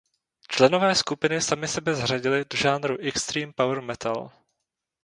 Členové skupiny sami sebe zařadili do žánru „extreme power metal“.